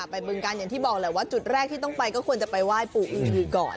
บึงการอย่างที่บอกแหละว่าจุดแรกที่ต้องไปก็ควรจะไปไหว้ปู่อือก่อน